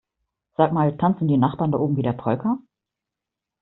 Sag mal, tanzen die Nachbarn da oben wieder Polka?